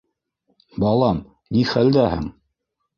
Балам, ни хәлдәһең?